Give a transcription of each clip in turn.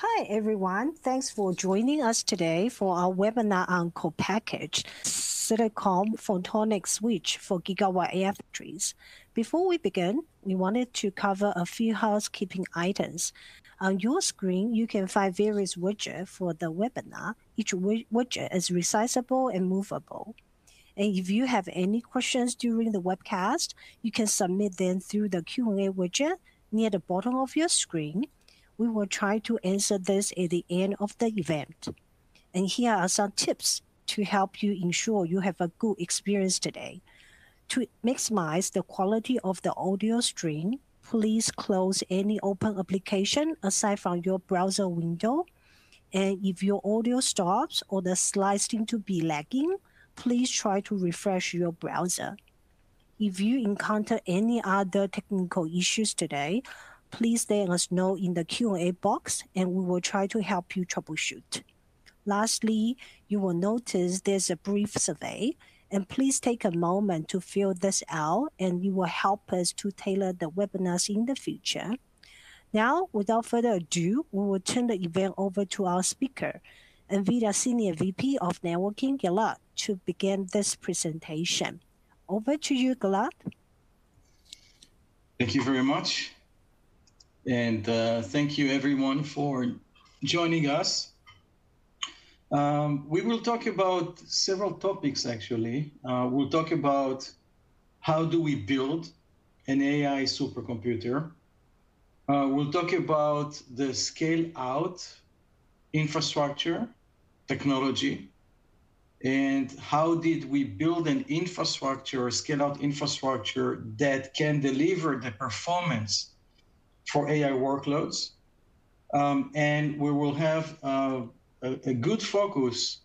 Hi, everyone. Thanks for joining us today for our webinar on Co-Packaged Silicon Photonic Switch for Gigawatt AI Factories. Before we begin, we wanted to cover a few housekeeping items. On your screen, you can find various widgets for the webinar. Each widget is resizable and movable. If you have any questions during the webcast, you can submit them through the Q&A widget near the bottom of your screen. We will try to answer them at the end of the event. Here are some tips to help you ensure you have a good experience today. To maximize the quality of the audio stream, please close any open applications aside from your browser window, and if your audio stops or the slides seem to be lagging, please try to refresh your browser. If you encounter any other technical issues today, please let us know in the Q&A box, and we will try to help you troubleshoot. Lastly, you will notice there's a brief survey, and please take a moment to fill this out, and you will help us to tailor the webinars in the future. Now, without further ado, we will turn the event over to our speaker, NVIDIA Senior VP of Networking, Gilad, to begin this presentation. Over to you, Gilad. Thank you very much, and thank you everyone for joining us. We will talk about several topics, actually. We'll talk about how do we build an AI supercomputer. We'll talk about the scale-out infrastructure technology, and how did we build an infrastructure, a scale-out infrastructure that can deliver the performance for AI workloads. And we will have a good focus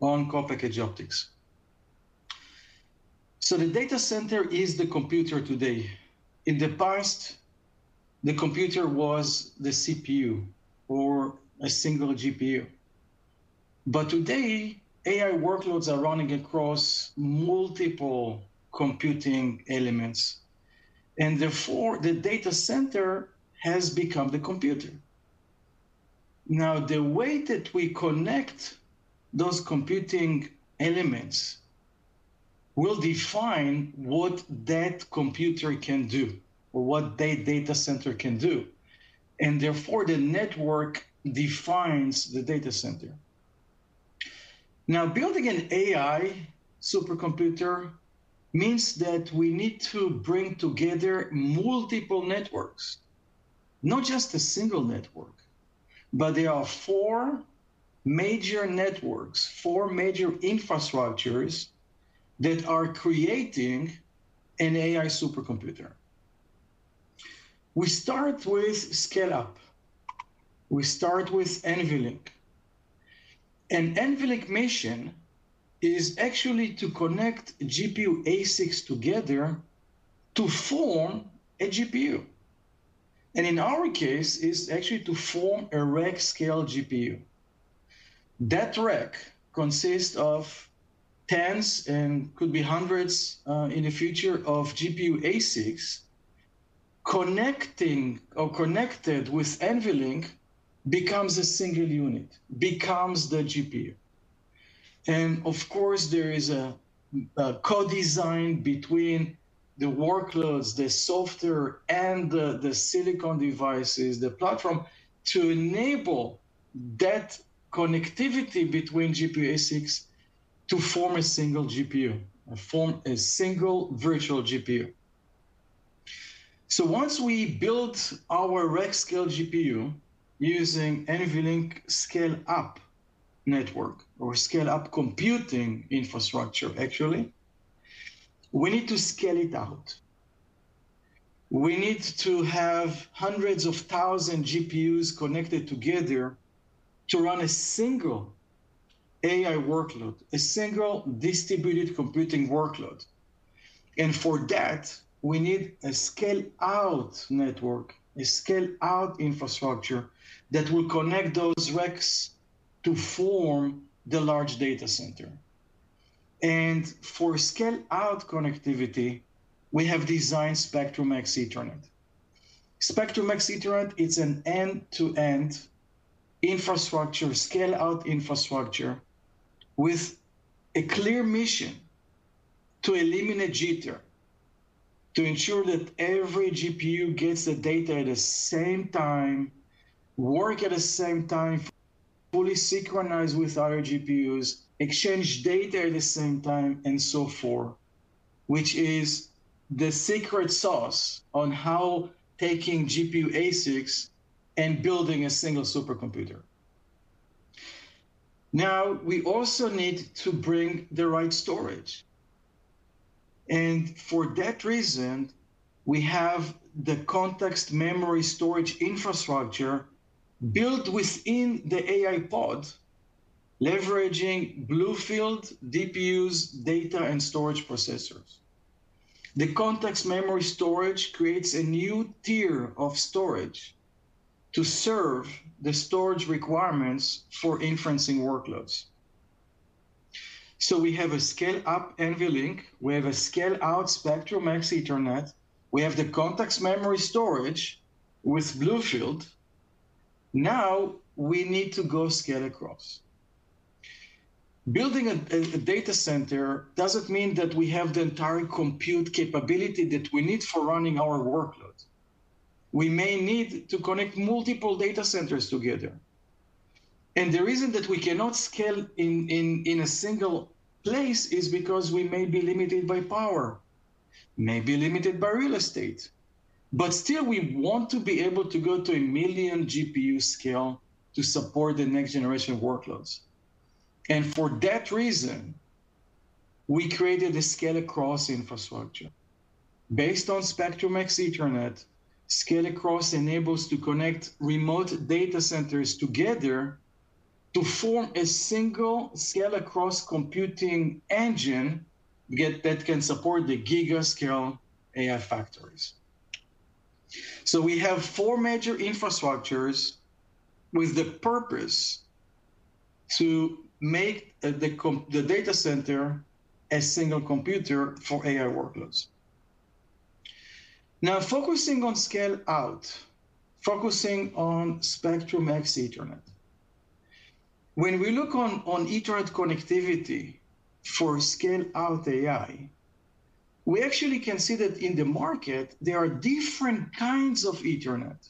on co-packaged optics. So the data center is the computer today. In the past, the computer was the CPU or a single GPU. But today, AI workloads are running across multiple computing elements, and therefore, the data center has become the computer. Now, the way that we connect those computing elements will define what that computer can do or what that data center can do, and therefore, the network defines the data center. Now, building an AI supercomputer means that we need to bring together multiple networks, not just a single network. But there are four major networks, four major infrastructures that are creating an AI supercomputer. We start with Scale-Up. We start with NVLink, and NVLink mission is actually to connect GPU ASICs together to form a GPU. And in our case, it's actually to form a rack-scale GPU. That rack consists of tens, and could be hundreds, in the future, of GPU ASICs, connecting or connected with NVLink, becomes a single unit, becomes the GPU. And of course, there is a co-design between the workloads, the software, and the silicon devices, the platform, to enable that connectivity between GPU ASICs to form a single GPU or form a single virtual GPU. So once we build our rack-scale GPU using NVLink Scale-Up network or Scale-Up computing infrastructure, actually, we need to scale it out. We need to have hundreds of thousands of GPUs connected together to run a single AI workload, a single distributed computing workload. And for that, we need a Scale-Out network, a Scale-Out infrastructure that will connect those racks to form the large data center. And for Scale-Out connectivity, we have designed Spectrum-X Ethernet. Spectrum-X Ethernet is an end-to-end infrastructure, Scale-Out infrastructure with a clear mission: to eliminate jitter, to ensure that every GPU gets the data at the same time, work at the same time, fully synchronized with other GPUs, exchange data at the same time, and so forth, which is the secret sauce on how taking GPU ASICs and building a single supercomputer. Now, we also need to bring the right storage, and for that reason, we have the context memory storage infrastructure built within the AI pod, leveraging BlueField DPUs data and storage processors. The context memory storage creates a new tier of storage to serve the storage requirements for inferencing workloads.... So we have a scale up NVLink, we have a scale out Spectrum-X Ethernet, we have the context memory storage with BlueField. Now, we need to go scale across. Building a data center doesn't mean that we have the entire compute capability that we need for running our workloads. We may need to connect multiple data centers together, and the reason that we cannot scale in a single place is because we may be limited by power, may be limited by real estate. But still, we want to be able to go to one million GPU scale to support the next generation of workloads. For that reason, we created a Scale-Across infrastructure. Based on Spectrum-X Ethernet, Scale-Across enables to connect remote data centers together to form a single Scale-Across computing engine that can support the giga-scale AI factories. So we have four major infrastructures with the purpose to make the data center a single computer for AI workloads. Now, focusing on Scale-Out, focusing on Spectrum-X Ethernet. When we look on Ethernet connectivity for Scale-Out AI, we actually can see that in the market there are different kinds of Ethernet.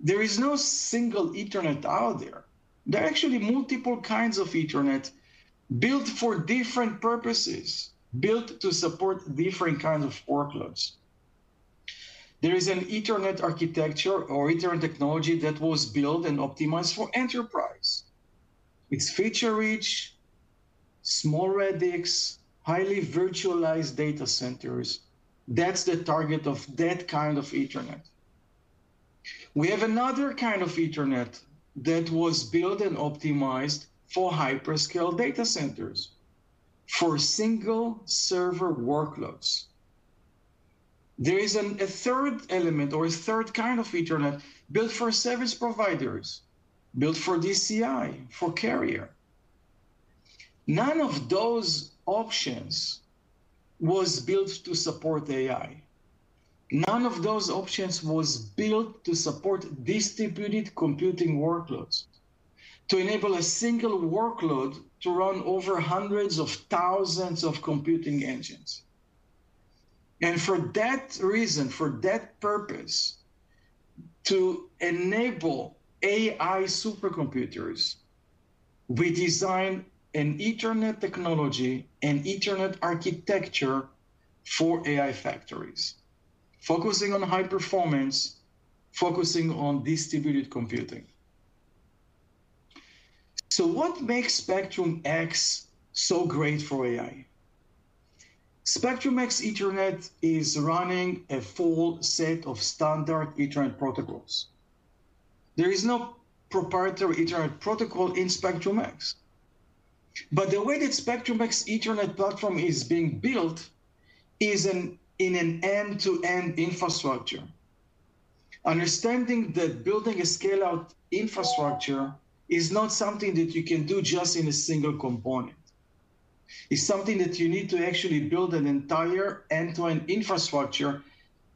There is no single Ethernet out there. There are actually multiple kinds of Ethernet built for different purposes, built to support different kinds of workloads. There is an Ethernet architecture or Ethernet technology that was built and optimized for enterprise. It's feature-rich, small radix, highly virtualized data centers. That's the target of that kind of Ethernet. We have another kind of Ethernet that was built and optimized for hyperscale data centers, for single server workloads. There is a third element or a third kind of Ethernet built for service providers, built for DCI, for carrier. None of those options was built to support AI. None of those options was built to support distributed computing workloads, to enable a single workload to run over hundreds of thousands of computing engines. And for that reason, for that purpose, to enable AI supercomputers, we design an Ethernet technology and Ethernet architecture for AI factories, focusing on high performance, focusing on distributed computing. So what makes Spectrum-X so great for AI? Spectrum-X Ethernet is running a full set of standard Ethernet protocols. There is no proprietary Ethernet protocol in Spectrum-X. But the way that Spectrum-X Ethernet platform is being built is in an end-to-end infrastructure. Understanding that building a scale-out infrastructure is not something that you can do just in a single component. It's something that you need to actually build an entire end-to-end infrastructure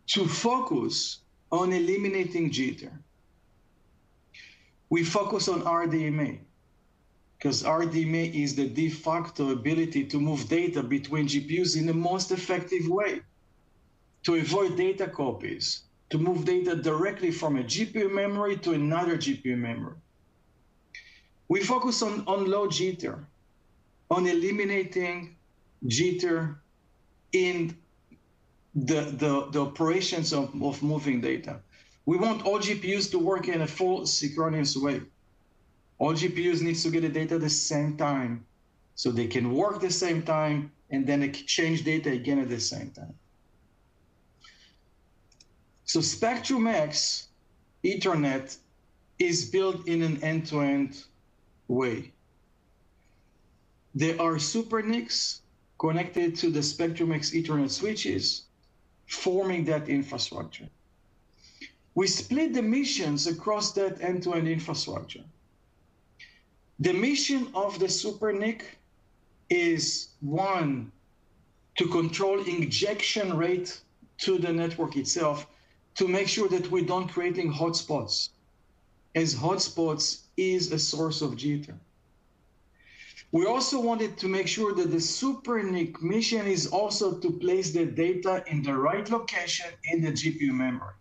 to focus on eliminating jitter. We focus on RDMA, 'cause RDMA is the de facto ability to move data between GPUs in the most effective way, to avoid data copies, to move data directly from a GPU memory to another GPU memory. We focus on low jitter, on eliminating jitter in the operations of moving data. We want all GPUs to work in a full synchronous way. All GPUs needs to get the data at the same time, so they can work the same time, and then exchange data again at the same time. So Spectrum-X Ethernet is built in an end-to-end way. There are SuperNICs connected to the Spectrum-X Ethernet switches, forming that infrastructure. We split the missions across that end-to-end infrastructure. The mission of the SuperNIC is, one, to control injection rate to the network itself, to make sure that we don't creating hotspots, as hotspots is a source of jitter. We also wanted to make sure that the SuperNIC mission is also to place the data in the right location in the GPU memory.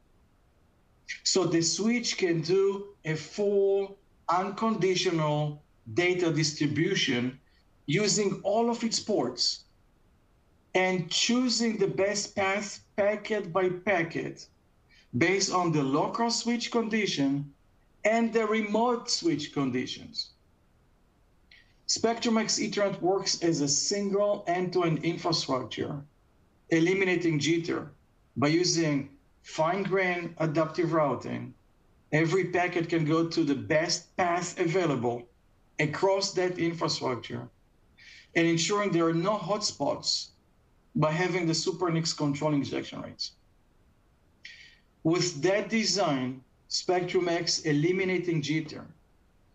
So the switch can do a full unconditional data distribution using all of its ports and choosing the best path packet by packet, based on the local switch condition and the remote switch conditions. Spectrum-X Ethernet works as a single end-to-end infrastructure, eliminating jitter by using fine-grain adaptive routing. Every packet can go to the best path available across that infrastructure and ensuring there are no hotspots by having the SuperNICs control injection rates. With that design, Spectrum-X eliminating jitter,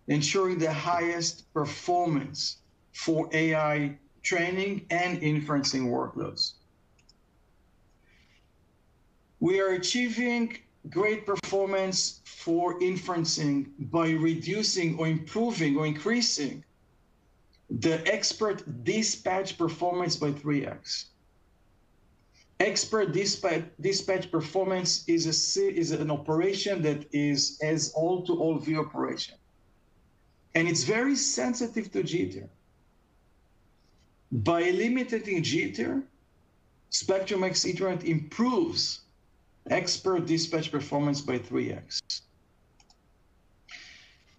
ensuring the first highest performance for AI training and inferencing workloads. We are achieving great performance for inferencing by reducing, or improving, or increasing the expert dispatch performance by 3x. Expert dispatch performance is an operation that is all to all view operation, and it's very sensitive to jitter. By eliminating jitter, Spectrum-X Ethernet improves expert dispatch performance by 3x.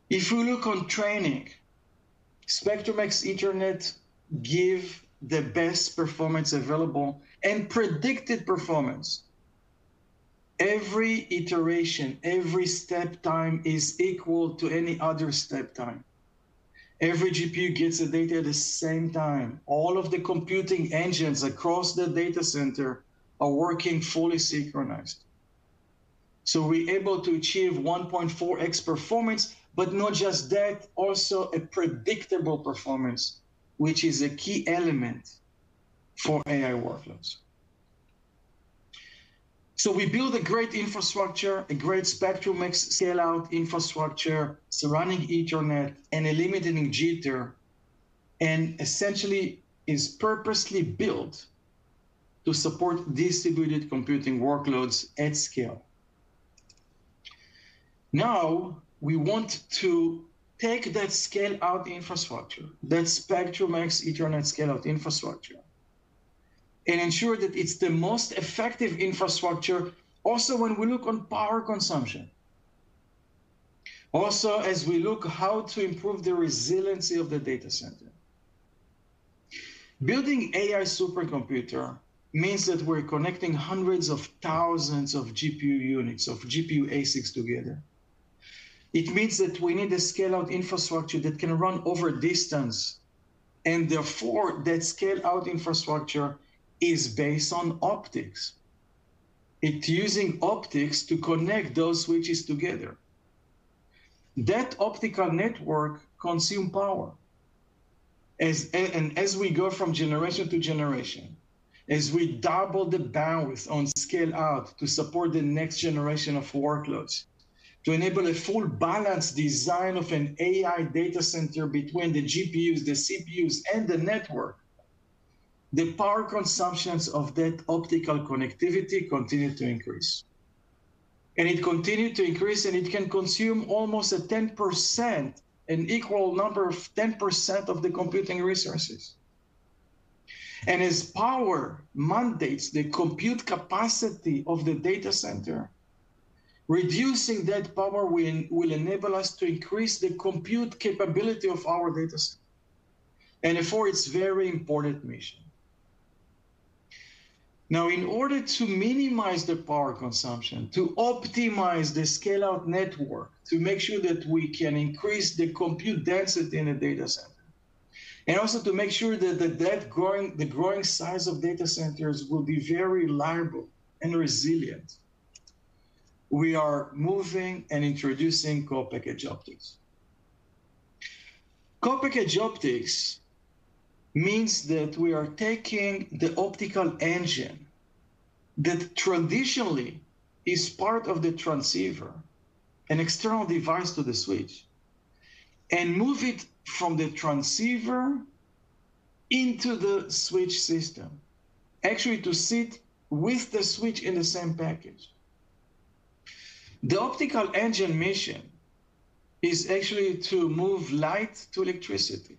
If we look on training, Spectrum-X Ethernet give the best performance available and predicted performance. Every iteration, every step time is equal to any other step time. Every GPU gets the data at the same time. All of the computing engines across the data center are working fully synchronized. So we're able to achieve 1.4x performance, but not just that, also a predictable performance, which is a key element for AI workloads. So we build a great infrastructure, a great Spectrum-X scale-out infrastructure surrounding Ethernet and eliminating jitter, and essentially is purposely built to support distributed computing workloads at scale. Now, we want to take that scale-out infrastructure, that Spectrum-X Ethernet scale-out infrastructure, and ensure that it's the most effective infrastructure also, when we look on power consumption. Also, as we look how to improve the resiliency of the data center. Building AI supercomputer means that we're connecting hundreds of thousands of GPU units, of GPU ASICs together. It means that we need a scale-out infrastructure that can run over distance, and therefore, that scale-out infrastructure is based on optics. It's using optics to connect those switches together. That optical network consumes power. As we go from generation to generation, as we double the bandwidth on scale-out to support the next generation of workloads, to enable a full balanced design of an AI data center between the GPUs, the CPUs, and the network, the power consumptions of that optical connectivity continue to increase. And it continues to increase, and it can consume almost 10%, an equal number of 10% of the computing resources. And as power mandates the compute capacity of the data center, reducing that power will enable us to increase the compute capability of our data center, and therefore, it's very important mission. Now, in order to minimize the power consumption, to optimize the scale-out network, to make sure that we can increase the compute density in a data center, and also to make sure that the growing size of data centers will be very reliable and resilient, we are moving and introducing co-packaged optics. Co-packaged optics means that we are taking the optical engine that traditionally is part of the transceiver, an external device to the switch, and move it from the transceiver into the switch system, actually to sit with the switch in the same package. The optical engine mission is actually to move light to electricity,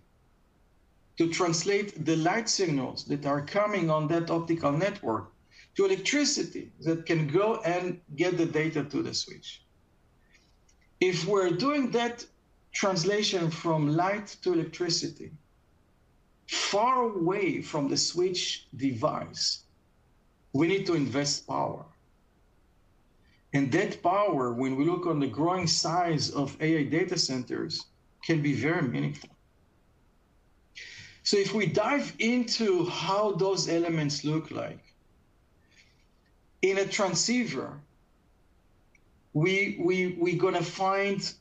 to translate the light signals that are coming on that optical network to electricity that can go and get the data to the switch. If we're doing that translation from light to electricity, far away from the switch device, we need to invest power. And that power, when we look on the growing size of AI data centers, can be very meaningful. So if we dive into how those elements look like, in a transceiver, we're gonna find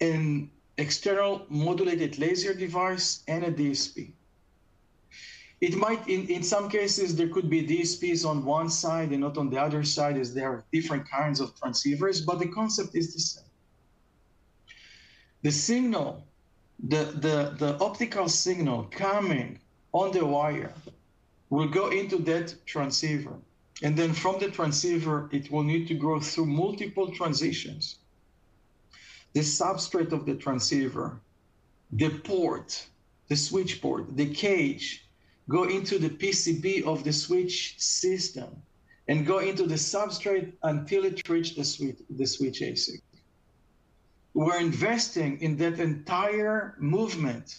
an external modulated laser device and a DSP. It might, in some cases, there could be DSPs on one side and not on the other side, as there are different kinds of transceivers, but the concept is the same. The optical signal coming on the wire will go into that transceiver, and then from the transceiver, it will need to go through multiple transitions. The substrate of the transceiver, the port, the switch port, the cage, go into the PCB of the switch system and go into the substrate until it reach the switch, the switch ASIC. We're investing in that entire movement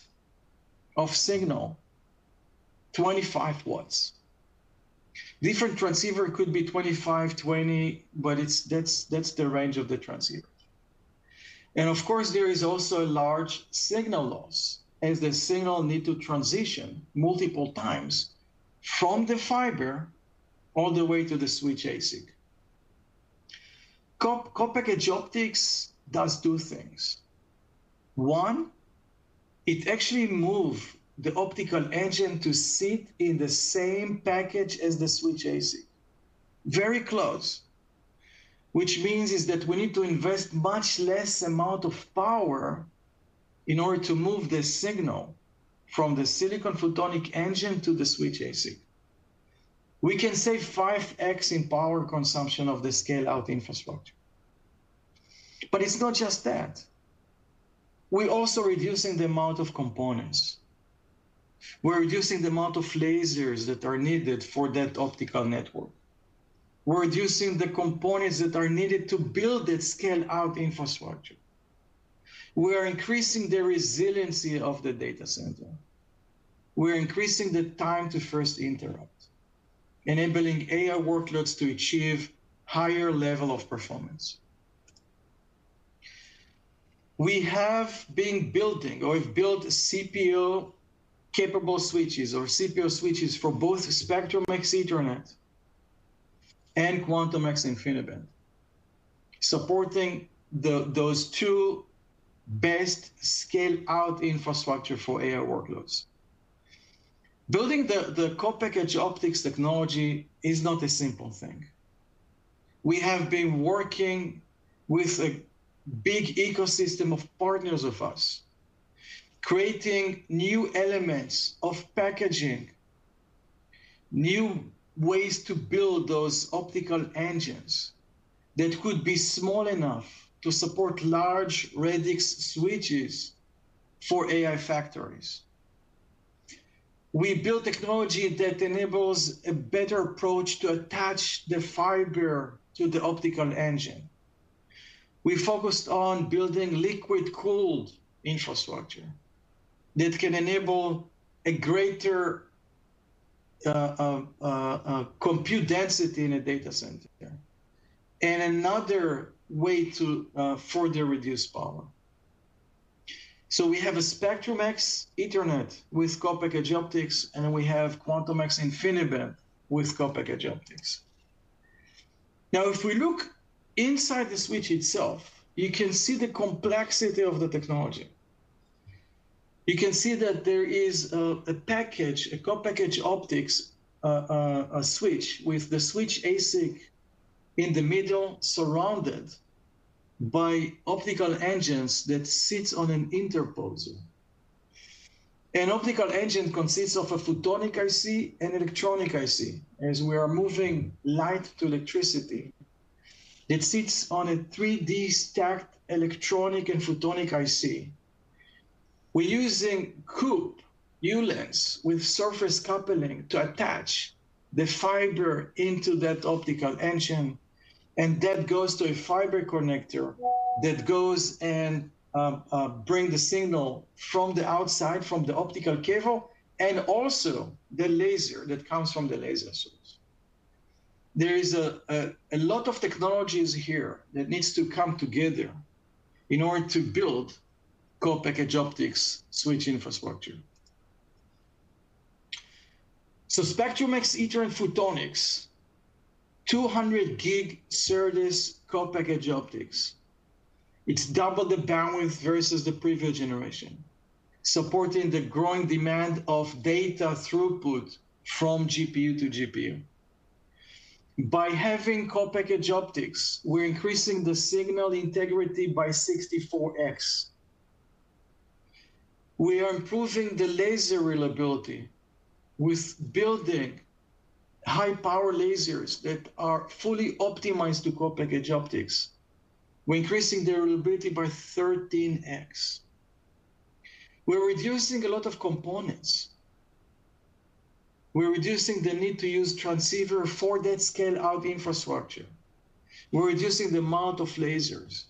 of signal, 25 watts. Different transceiver could be 25-20, but it's—that's, that's the range of the transceiver. And of course, there is also a large signal loss, as the signal need to transition multiple times from the fiber all the way to the switch ASIC. Co-packaged optics does two things. 1, it actually move the optical engine to sit in the same package as the switch ASIC. Very close, which means is that we need to invest much less amount of power in order to move the signal from the silicon photonic engine to the switch ASIC. We can save 5x in power consumption of the scale-out infrastructure. But it's not just that. We're also reducing the amount of components. We're reducing the amount of lasers that are needed for that optical network. We're reducing the components that are needed to build that scale-out infrastructure. We are increasing the resiliency of the data center. We're increasing the time to first interrupt, enabling AI workloads to achieve higher level of performance. We have been building, or we've built CPO-capable switches, or CPO switches for both Spectrum-X Ethernet and Quantum-X InfiniBand, supporting those two best scale-out infrastructure for AI workloads. Building the co-packaged optics technology is not a simple thing. We have been working with a big ecosystem of partners of us, creating new elements of packaging, new ways to build those optical engines that could be small enough to support large radix switches for AI factories. We built technology that enables a better approach to attach the fiber to the optical engine. We focused on building liquid-cooled infrastructure that can enable a greater, compute density in a data center, and another way to, further reduce power. So we have a Spectrum-X Ethernet with co-packaged optics, and we have Quantum-X InfiniBand with co-packaged optics. Now, if we look inside the switch itself, you can see the complexity of the technology. You can see that there is, a package, a co-packaged optics, a switch, with the switch ASIC in the middle, surrounded by optical engines that sits on an interposer. An optical engine consists of a photonic IC and electronic IC, as we are moving light to electricity. It sits on a 3D stacked electronic and photonic IC. We're using COUPE lenses with surface coupling to attach the fiber into that optical engine, and that goes to a fiber connector that goes and bring the signal from the outside, from the optical cable, and also the laser that comes from the laser source. There is a lot of technologies here that needs to come together in order to build co-package optics switch infrastructure. So Spectrum-X Ethernet Photonics, 200 gig SerDes co-package optics. It's double the bandwidth versus the previous generation, supporting the growing demand of data throughput from GPU to GPU. By having co-package optics, we're increasing the signal integrity by 64x. We are improving the laser reliability with building high-power lasers that are fully optimized to co-packaged optics. We're increasing the reliability by 13x. We're reducing a lot of components. We're reducing the need to use transceiver for that scale-out infrastructure. We're reducing the amount of lasers.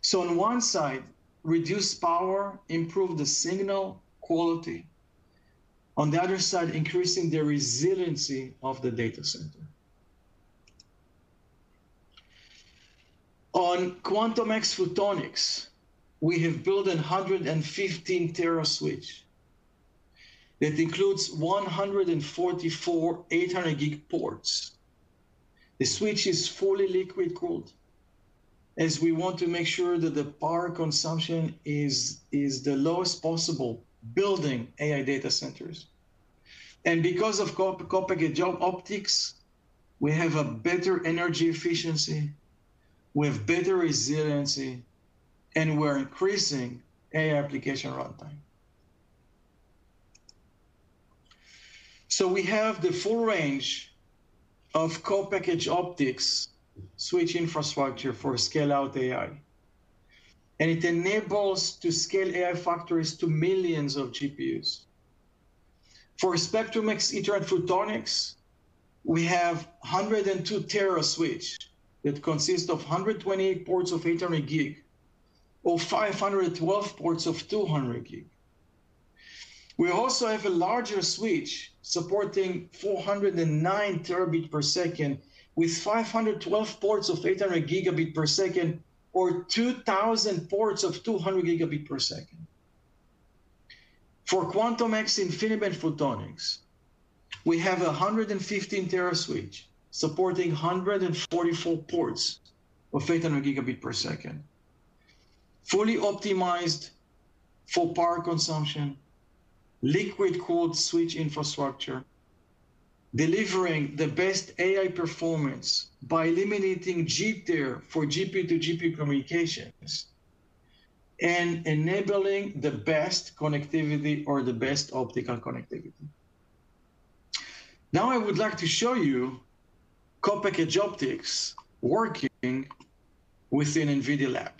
So on one side, reduce power, improve the signal quality. On the other side, increasing the resiliency of the data center. On Quantum-X Photonics, we have built a 115-tera switch that includes 144 800-gig ports. The switch is fully liquid-cooled, as we want to make sure that the power consumption is the lowest possible, building AI data centers. And because of co-packaged optics, we have a better energy efficiency, we have better resiliency, and we're increasing AI application runtime. So we have the full range of co-packaged optics switch infrastructure for scale-out AI, and it enables to scale AI factories to millions of GPUs. For Spectrum-X Ethernet Photonics, we have 102-tera switch that consists of 120 ports of 800 Gb/s, or 512 ports of 200 Gb/s. We also have a larger switch supporting 409 Tb/s, with 512 ports of 800 Gb/s, or 2,000 ports of 200 Gb/s. For Quantum-X InfiniBand Photonics, we have a 115-tera switch supporting 144 ports of 800 Gb/s. Fully optimized for power consumption, liquid-cooled switch infrastructure, delivering the best AI performance by eliminating jitter for GPU to GPU communications, and enabling the best connectivity or the best optical connectivity. Now, I would like to show you co-packaged optics working within NVIDIA lab.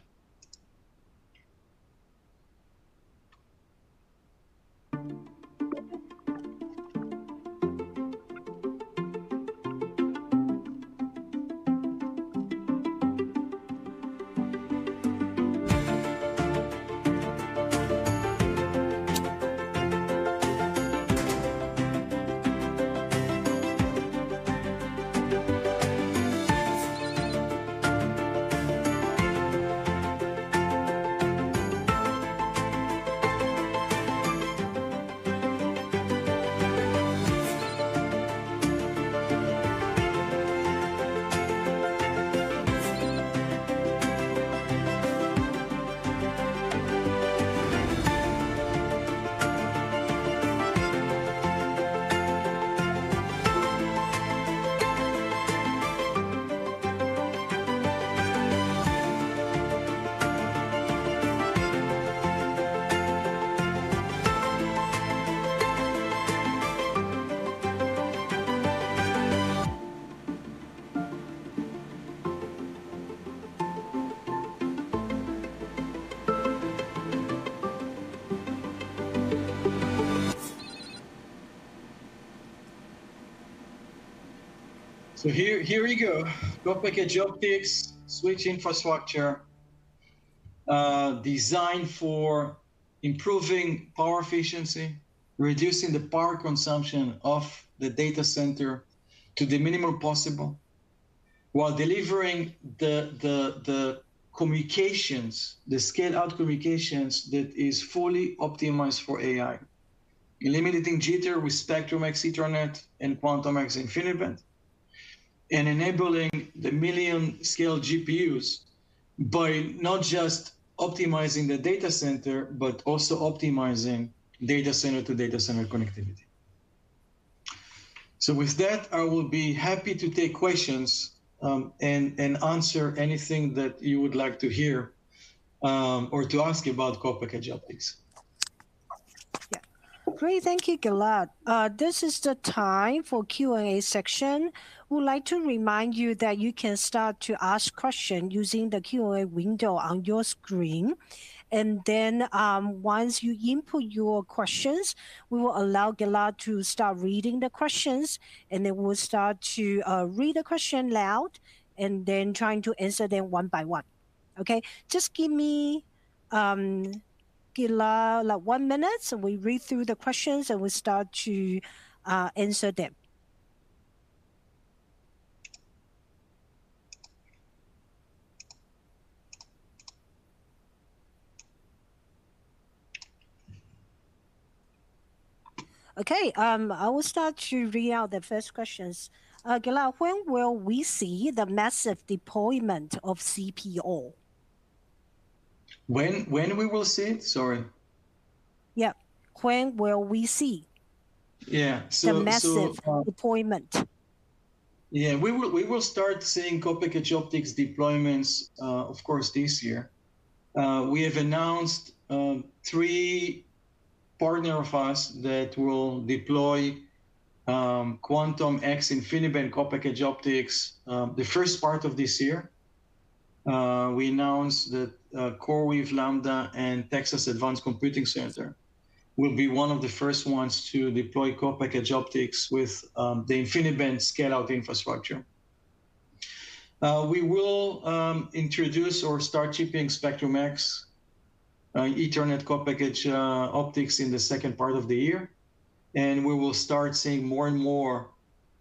So here, here we go. Co-packaged optics switch infrastructure designed for improving power efficiency, reducing the power consumption of the data center to the minimum possible, while delivering the communications, the scale-out communications that is fully optimized for AI. Eliminating jitter with Spectrum-X Ethernet and Quantum-X InfiniBand, and enabling the million-scale GPUs by not just optimizing the data center, but also optimizing data center to data center connectivity. So with that, I will be happy to take questions, and answer anything that you would like to hear, or to ask about co-packaged optics. Yeah. Great. Thank you, Gilad. This is the time for Q&A section. Would like to remind you that you can start to ask question using the Q&A window on your screen. And then, once you input your questions, we will allow Gilad to start reading the questions, and then we'll start to read the question loud and then trying to answer them one by one. Okay? Just give me, Gilad, like, one minute, so we read through the questions, and we start to answer them. Okay, I will start to read out the first questions. Gilad, when will we see the massive deployment of CPO? When we will see it? Sorry. Yeah. When will we see- Yeah, so, the massive deployment? Yeah, we will, we will start seeing co-packaged optics deployments, of course, this year. We have announced three partners of ours that will deploy Quantum-X InfiniBand co-packaged optics the first part of this year. We announced that CoreWeave, Lambda, and Texas Advanced Computing Center will be one of the first ones to deploy co-packaged optics with the InfiniBand scale-out infrastructure. We will introduce or start shipping Spectrum-X Ethernet co-packaged optics in the second part of the year, and we will start seeing more and more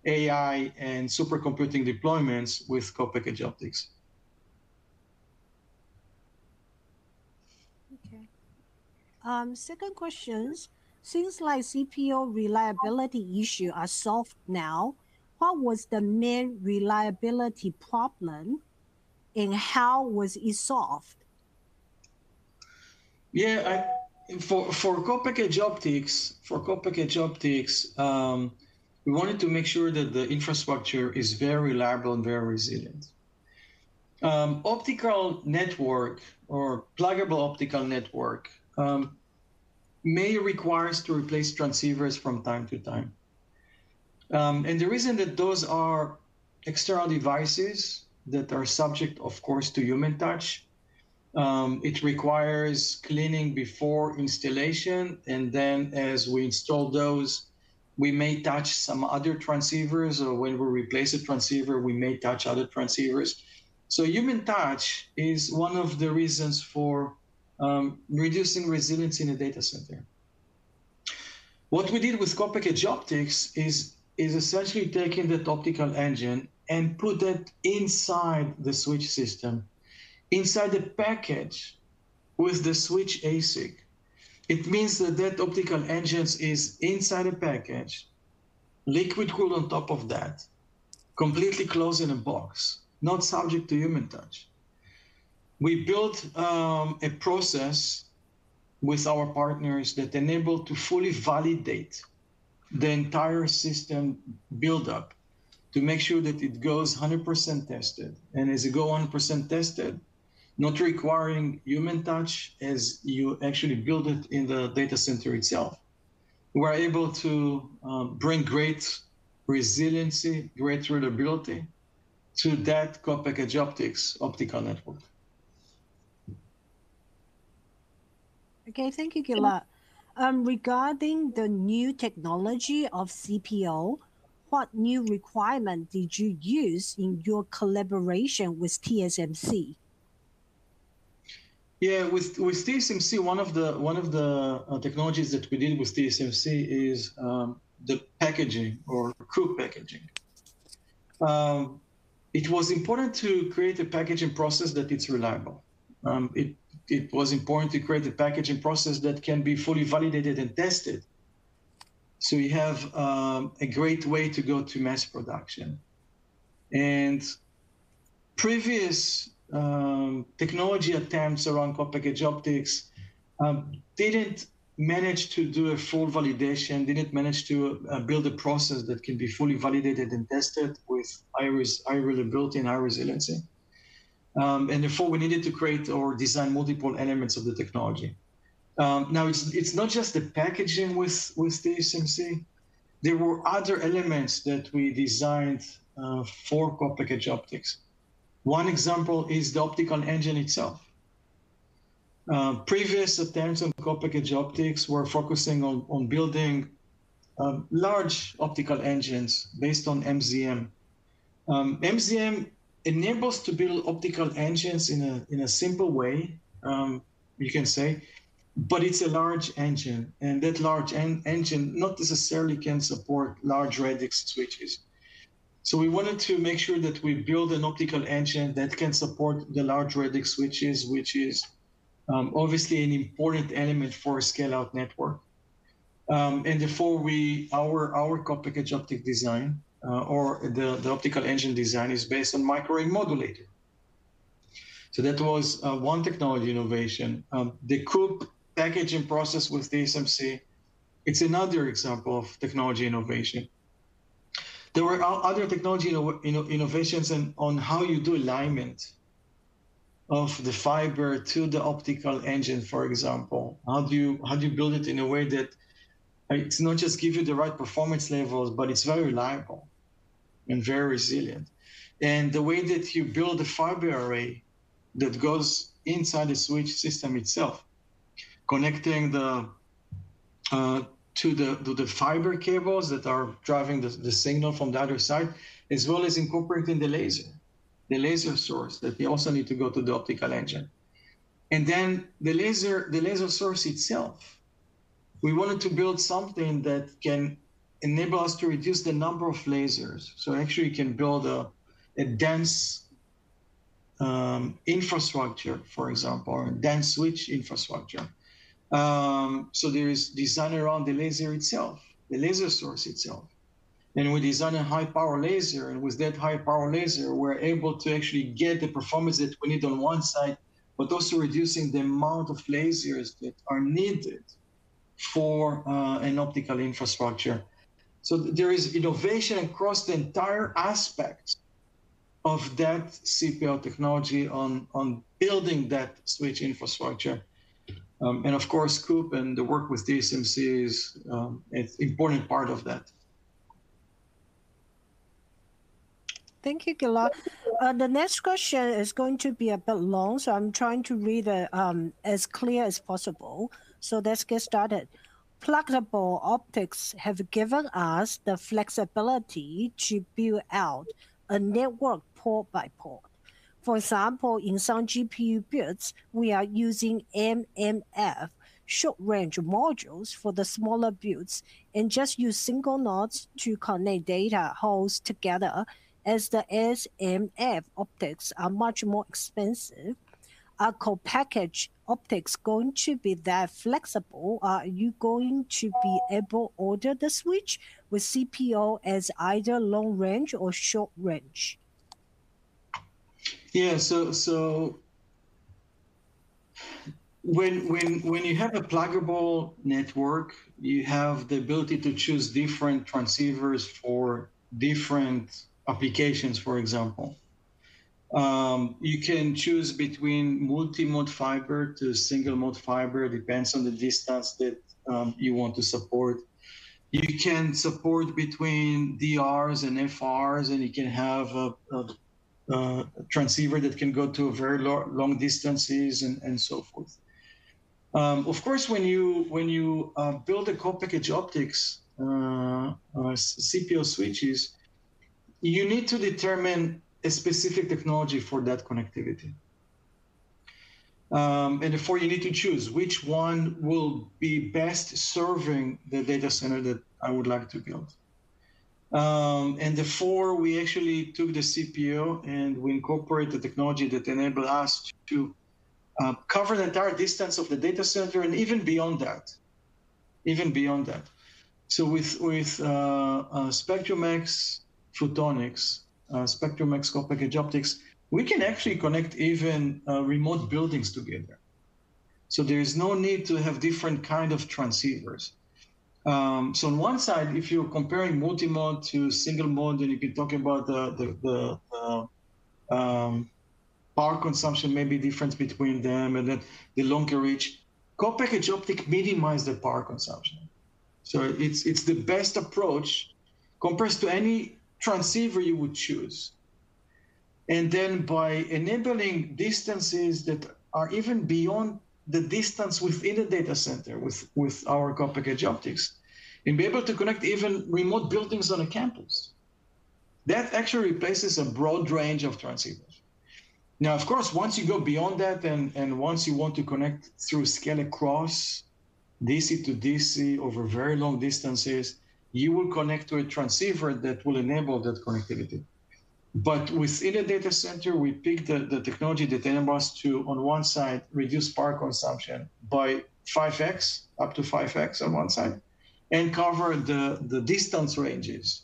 AI and supercomputing deployments with co-packaged optics. Okay. Second questions: Since, like, CPO reliability issue are solved now, what was the main reliability problem, and how was it solved? Yeah, for co-packaged optics, we wanted to make sure that the infrastructure is very reliable and very resilient. Optical network or pluggable optical network may require us to replace transceivers from time to time. And the reason that those are external devices that are subject, of course, to human touch, it requires cleaning before installation, and then as we install those, we may touch some other transceivers, or when we replace a transceiver, we may touch other transceivers. So human touch is one of the reasons for reducing resilience in a data center. What we did with co-packaged optics is essentially taking that optical engine and put that inside the switch system, inside the package with the switch ASIC. It means that that optical engines is inside a package, liquid cooled on top of that, completely closed in a box, not subject to human touch. We built a process with our partners that enabled to fully validate the entire system build-up, to make sure that it goes 100% tested. And as it go 100% tested, not requiring human touch as you actually build it in the data center itself. We're able to bring great resiliency, great reliability to that co-packaged optics, optical network. Okay, thank you, Gilad. Regarding the new technology of CPO, what new requirement did you use in your collaboration with TSMC? Yeah, with TSMC, one of the technologies that we did with TSMC is the packaging or co-packaged packaging. It was important to create a packaging process that it's reliable. It was important to create a packaging process that can be fully validated and tested, so we have a great way to go to mass production. And previous technology attempts around co-packaged optics didn't manage to do a full validation, didn't manage to build a process that can be fully validated and tested with high reliability and high resiliency. And therefore, we needed to create or design multiple elements of the technology. Now, it's not just the packaging with TSMC, there were other elements that we designed for co-packaged optics. One example is the optical engine itself. Previous attempts on co-packaged optics were focusing on building large optical engines based on MZM. MZM enables to build optical engines in a simple way, you can say, but it's a large engine. That large engine not necessarily can support large radix switches. So we wanted to make sure that we build an optical engine that can support the large radix switches, which is obviously an important element for a scale-out network. And therefore, our co-packaged optics design, or the optical engine design is based on micro-ring modulator. So that was one technology innovation. The co-packaging process with TSMC, it's another example of technology innovation. There were other technology innovations on how you do alignment of the fiber to the optical engine, for example. How do you, how do you build it in a way that it's not just give you the right performance levels, but it's very reliable and very resilient? And the way that you build a fiber array that goes inside the switch system itself, connecting the to the fiber cables that are driving the signal from the other side, as well as incorporating the laser, the laser source that we also need to go to the optical engine. And then the laser, the laser source itself, we wanted to build something that can enable us to reduce the number of lasers, so actually we can build a dense infrastructure, for example, a dense switch infrastructure. So there is design around the laser itself, the laser source itself. We design a high-power laser, and with that high-power laser, we're able to actually get the performance that we need on one side, but also reducing the amount of lasers that are needed for an optical infrastructure. So there is innovation across the entire aspect of that CPO technology on building that switch infrastructure. And of course, CPO and the work with TSMC is, it's important part of that. Thank you, Gilad. The next question is going to be a bit long, so I'm trying to read it as clear as possible. So let's get started. Pluggable optics have given us the flexibility to build out a network port by port. For example, in some GPU builds, we are using MMF short-range modules for the smaller builds, and just use single nodes to connect data halls together, as the SMF optics are much more expensive. Are co-packaged optics going to be that flexible? Are you going to be able to order the switch with CPO as either long range or short range? Yeah. So when you have a pluggable network, you have the ability to choose different transceivers for different applications, for example. You can choose between multimode fiber to single mode fiber, it depends on the distance that you want to support. You can support between DRs and FRs, and you can have a transceiver that can go to very long distances and so forth. Of course, when you build a co-packaged optics CPO switches, you need to determine a specific technology for that connectivity. And therefore, you need to choose which one will be best serving the data center that I would like to build. And therefore, we actually took the CPO, and we incorporate the technology that enable us to cover the entire distance of the data center, and even beyond that. Even beyond that. So with Spectrum-X Photonics, Spectrum-X co-packaged optics, we can actually connect even remote buildings together. So there is no need to have different kind of transceivers. So on one side, if you're comparing multi-mode to single mode, and you can talk about the power consumption, maybe difference between them, and then the longer reach. Co-packaged optic minimize the power consumption. So it's the best approach compared to any transceiver you would choose. And then by enabling distances that are even beyond the distance within the data center, with our co-packaged optics, and be able to connect even remote buildings on a campus, that actually replaces a broad range of transceivers. Now, of course, once you go beyond that, and once you want to connect through scale across DC to DC over very long distances, you will connect to a transceiver that will enable that connectivity. But within a data center, we pick the technology that enables us to, on one side, reduce power consumption by 5x, up to 5x on one side, and cover the distance ranges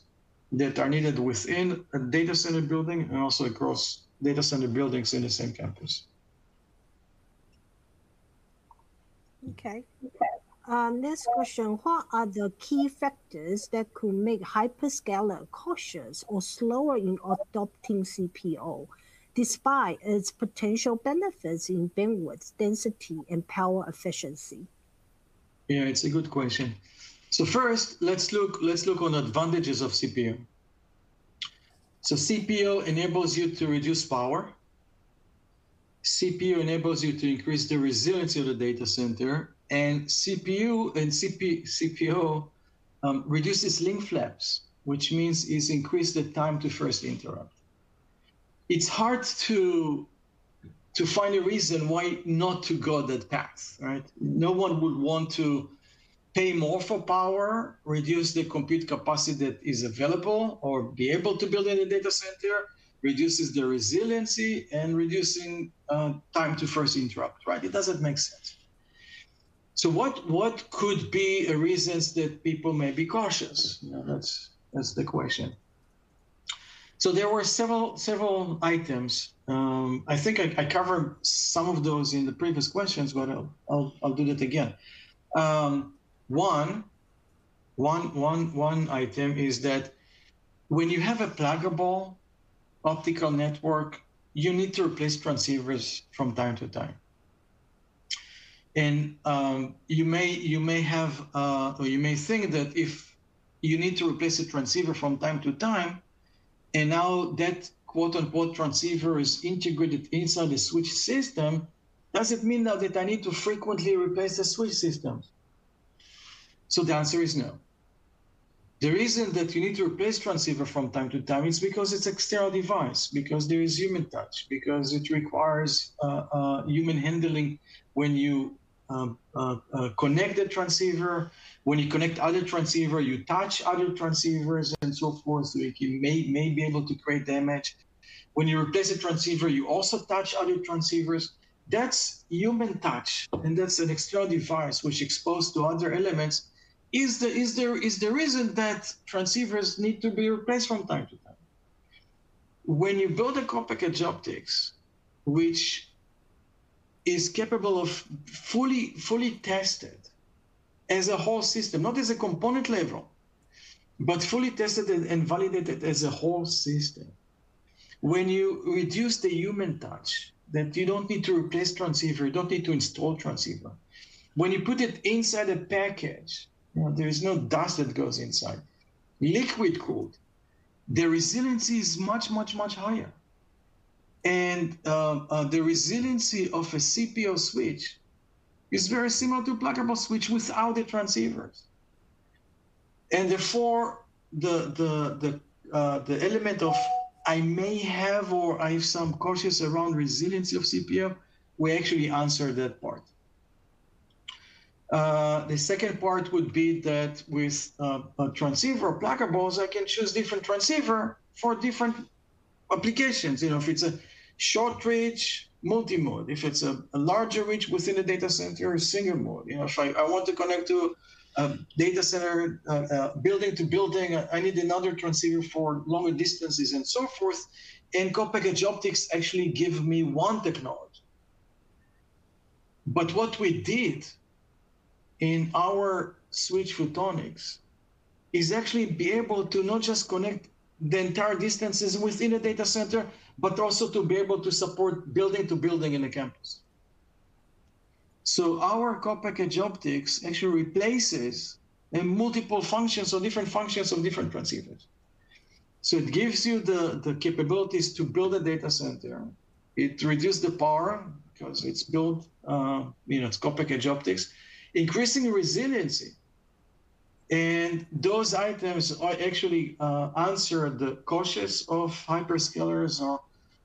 that are needed within a data center building and also across data center buildings in the same campus. Okay. Next question: What are the key factors that could make hyperscaler cautious or slower in adopting CPO, despite its potential benefits in bandwidth, density, and power efficiency? Yeah, it's a good question. So first, let's look on advantages of CPO. So CPO enables you to reduce power, CPO enables you to increase the resilience of the data center, and CPO reduces link flaps, which means it's increased the time to first interrupt. It's hard to find a reason why not to go that path, right? No one would want to pay more for power, reduce the compute capacity that is available, or be able to build any data center, reduces the resiliency and reducing time to first interrupt, right? It doesn't make sense. So what could be the reasons that people may be cautious? Now, that's the question. So there were several items. I think I covered some of those in the previous questions, but I'll do that again. One item is that when you have a pluggable optical network, you need to replace transceivers from time to time. And, you may think that if you need to replace a transceiver from time to time, and now that, quote, unquote, "transceiver" is integrated inside the switch system, does it mean now that I need to frequently replace the switch systems? So the answer is no. The reason that you need to replace transceiver from time to time is because it's external device, because there is human touch, because it requires human handling when you connect the transceiver. When you connect other transceiver, you touch other transceivers and so forth, so it may be able to create damage. When you replace a transceiver, you also touch other transceivers. That's human touch, and that's an external device which exposed to other elements, is the reason that transceivers need to be replaced from time to time. When you build a co-packaged optics, which is capable of fully tested as a whole system, not as a component level, but fully tested and validated as a whole system. When you reduce the human touch, then you don't need to replace transceiver, you don't need to install transceiver. When you put it inside a package, well, there is no dust that goes inside. Liquid cooled, the resiliency is much higher. And the resiliency of a CPO switch is very similar to pluggable switch without the transceivers. And therefore, the element of I may have or I have some caution around resiliency of CPO, we actually answered that part. The second part would be that with a transceiver pluggables, I can choose different transceiver for different applications. You know, if it's a short reach, multi-mode. If it's a larger reach within a data center, a single mode. You know, if I want to connect to data center building to building, I need another transceiver for longer distances and so forth. And co-packaged optics actually give me one technology. But what we did in our switch photonics is actually be able to not just connect the entire distances within a data center, but also to be able to support building to building in a campus. So our co-packaged optics actually replaces the multiple functions or different functions of different transceivers. So it gives you the capabilities to build a data center. It reduces the power, because it's built, you know, it's co-packaged optics, increasing resiliency. And those items are actually address the concerns of hyperscalers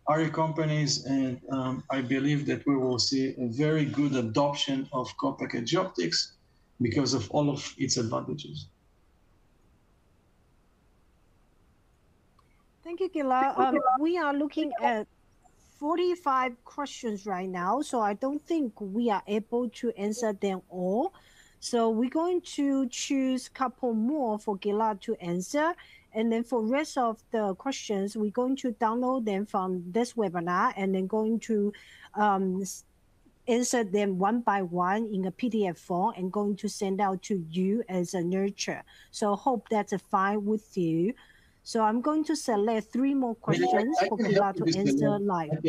or other companies, and I believe that we will see a very good adoption of co-packaged optics because of all of its advantages. Thank you, Gilad. We are looking at 45 questions right now, so I don't think we are able to answer them all. So we're going to choose a couple more for Gilad to answer, and then for rest of the questions, we're going to download them from this webinar, and then going to answer them one by one in a PDF form, and going to send out to you as a nurture. So hope that's fine with you. So I'm going to select three more questions for Gilad to answer live.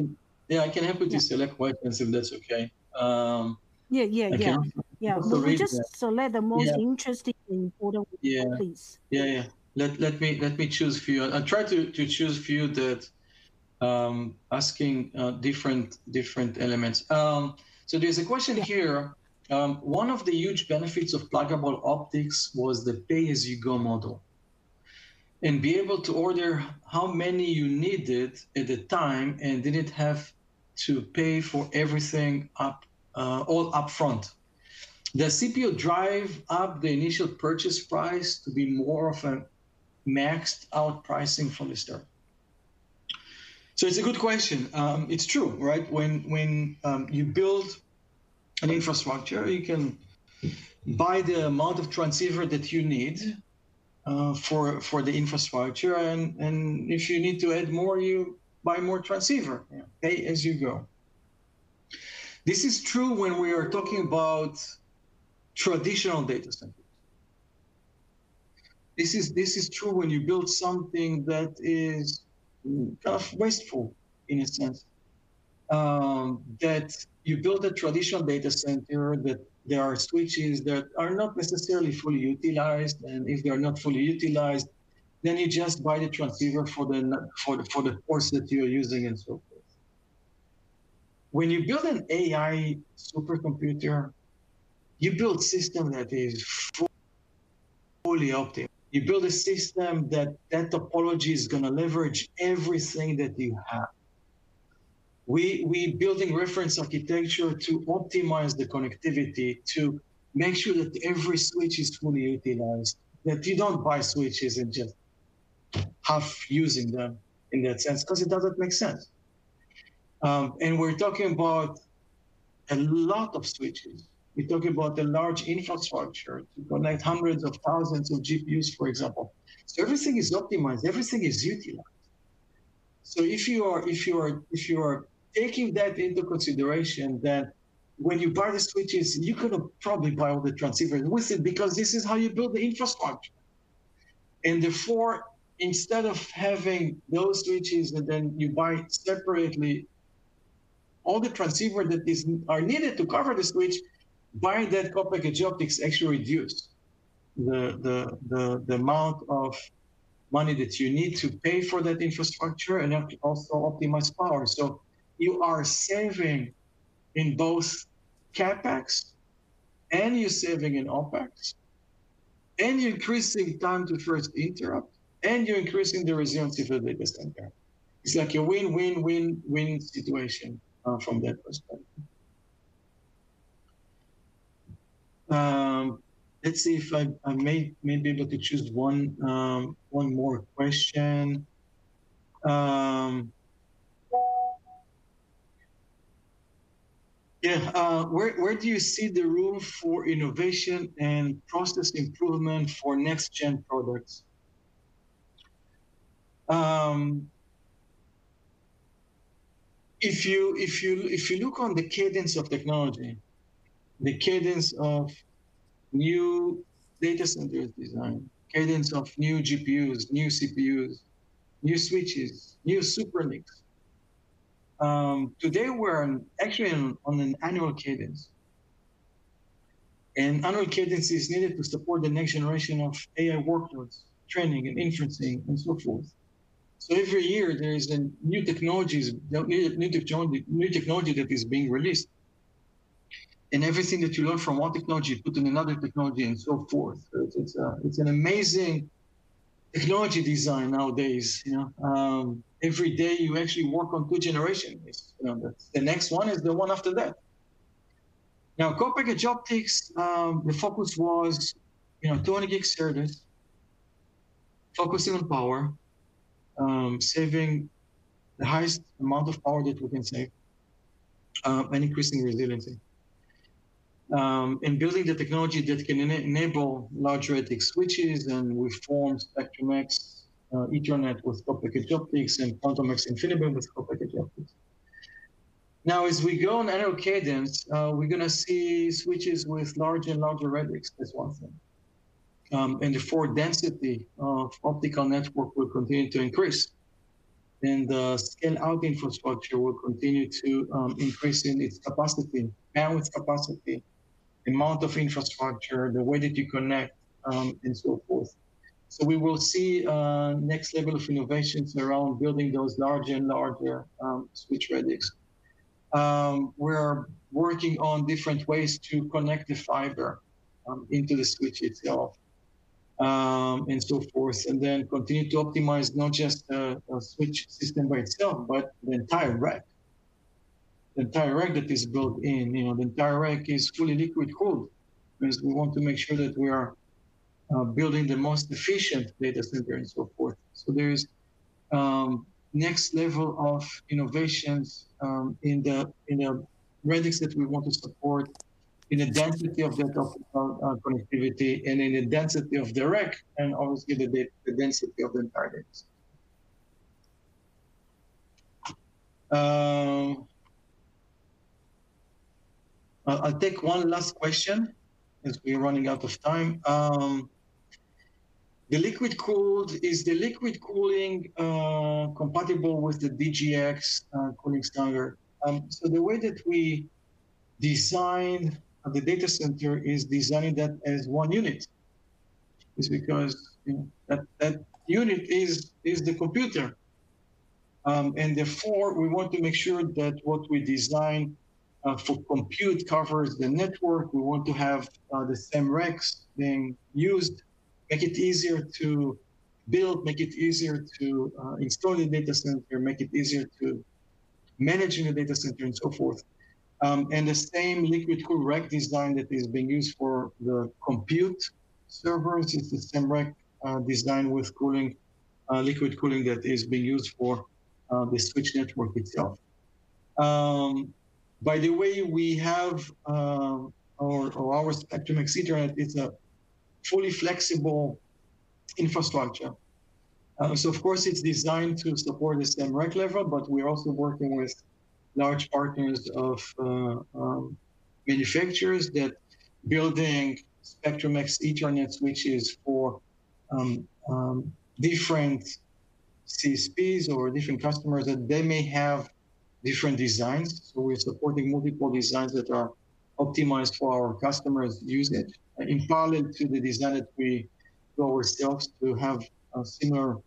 Yeah, I can help you to select questions, if that's okay. Yeah, yeah, yeah. Okay. Yeah. Sorry. Just select the most- Yeah... interesting and important, please. Yeah, yeah. Let me choose for you. I'll try to choose for you that, asking different elements. So there's a question here: "One of the huge benefits of pluggable optics was the pay-as-you-go model, and be able to order how many you needed at the time, and didn't have to pay for everything up, all upfront. The CPO drive up the initial purchase price to be more of a maxed-out pricing from the start?" So it's a good question. It's true, right? When you build an infrastructure, you can buy the amount of transceiver that you need, for the infrastructure, and if you need to add more, you buy more transceiver. Yeah. Pay as you go. This is true when we are talking about traditional data centers. This is true when you build something that is wasteful, in a sense. That you build a traditional data center, that there are switches that are not necessarily fully utilized, and if they are not fully utilized, then you just buy the transceiver for the ports that you're using and so forth. When you build an AI supercomputer, you build system that is fully optimal. You build a system that topology is going to leverage everything that you have. We building reference architecture to optimize the connectivity, to make sure that every switch is fully utilized, that you don't buy switches and just half using them in that sense, 'cause it doesn't make sense. And we're talking about a lot of switches. We're talking about the large infrastructure, to connect hundreds of thousands of GPUs, for example. So everything is optimized, everything is utilized. So if you are taking that into consideration, that when you buy the switches, you cannot probably buy all the transceivers with it, because this is how you build the infrastructure. And therefore, instead of having those switches, and then you buy separately all the transceivers that are needed to cover the switch, buying that co-packaged optics actually reduced the amount of money that you need to pay for that infrastructure and also optimize power. So you are saving in both CapEx, and you're saving in OpEx, and you're increasing time to first interrupt, and you're increasing the resiliency of the data center. It's like a win-win-win-win situation from that perspective. Let's see if I may be able to choose one more question. Yeah, "Where do you see the room for innovation and process improvement for next-gen products?" If you look on the cadence of technology, the cadence of new data center design, cadence of new GPUs, new CPUs, new switches, new SuperNICs, today, we're on actually on an annual cadence. An annual cadence is needed to support the next generation of AI workloads, training and inferencing, and oo forth. So every year, there is a new technology that is being released, and everything that you learn from one technology, you put in another technology and so forth. So it's an amazing technology design nowadays, you know? Every day, you actually work on two generations. You know, the next one is the one after that. Now, co-packaged optics, the focus was, you know, 20G SerDes, focusing on power, saving the highest amount of power that we can save, and increasing resiliency. And building the technology that can enable larger radix switches, and we've formed Spectrum-X Ethernet with co-packaged optics and Quantum-X InfiniBand with co-packaged optics. Now, as we go on annual cadence, we're going to see switches with larger and larger radix is one thing. And the port density of optical network will continue to increase, and the scale-out infrastructure will continue to increase in its capacity, bandwidth capacity, amount of infrastructure, the way that you connect, and so forth. So we will see next level of innovations around building those larger and larger switch radix. We're working on different ways to connect the fiber into the switch itself, and so forth, and then continue to optimize not just the switch system by itself, but the entire rack. The entire rack that is built in, you know, the entire rack is fully liquid cooled, because we want to make sure that we are building the most efficient data center and so forth. So there is next level of innovations in the in the radix that we want to support in the density of that optical connectivity and in the density of the rack, and obviously, the the the density of the entire radix. I'll take one last question, as we're running out of time. The liquid cooled... Is the liquid cooling compatible with the DGX cooling standard? So the way that we design the data center is designing that as one unit. It's because, you know, that unit is the computer. And therefore, we want to make sure that what we design for compute covers the network. We want to have the same racks being used, make it easier to build, make it easier to install the data center, make it easier to managing the data center, and so forth. And the same liquid cool rack design that is being used for the compute server. It's the same rack design with cooling, liquid cooling that is being used for the switch network itself. By the way, we have our Spectrum Ethernet. Our Spectrum Ethernet is a fully flexible infrastructure. So, of course, it's designed to support the same rack level, but we're also working with large partners of manufacturers that building Spectrum-X Ethernet switches for different CSPs or different customers, that they may have different designs. So we're supporting multiple designs that are optimized for our customers using it, in parallel to the design that we do ourselves to have similar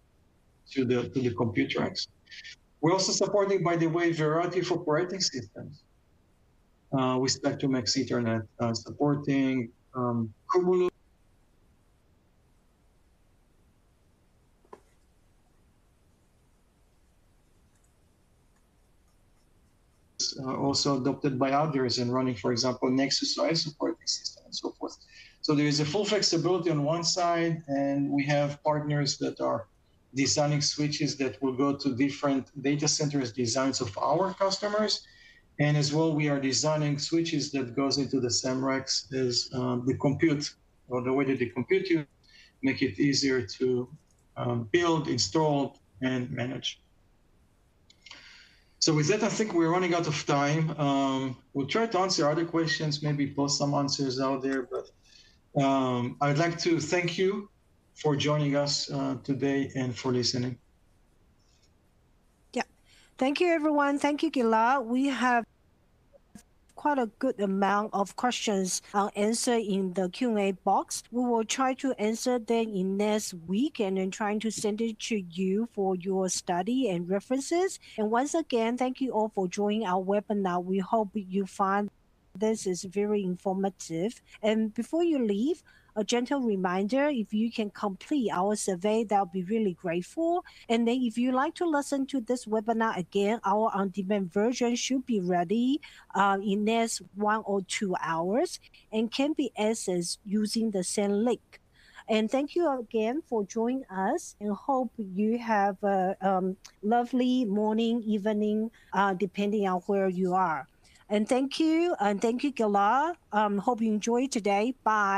to the computer racks. We're also supporting, by the way, variety of operating systems with Spectrum-X Ethernet, supporting Cumulus. Also adopted by others and running, for example, Nexus, so I support the system and so forth. So there is a full flexibility on one side, and we have partners that are designing switches that will go to different data centers designs of our customers. As well, we are designing switches that goes into the same racks as the compute or the way that the compute unit make it easier to build, install, and manage. So with that, I think we're running out of time. We'll try to answer other questions, maybe post some answers out there, but I'd like to thank you for joining us today and for listening. Yeah. Thank you, everyone. Thank you, Gilad. We have quite a good amount of questions I'll answer in the Q&A box. We will try to answer them in next week and then trying to send it to you for your study and references. And once again, thank you all for joining our Webinar. We hope you find this is very informative. And before you leave, a gentle reminder, if you can complete our survey, that would be really grateful. And then if you like to listen to this webinar again, our on-demand version should be ready in next one or two hours, and can be accessed using the same link. And thank you again for joining us, and hope you have a lovely morning, evening, depending on where you are. And thank you, and thank you, Gilad. Hope you enjoyed today. Bye.